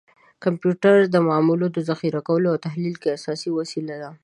کمپیوټر د معلوماتو ذخیره کولو او تحلیل کې اساسي وسیله ده.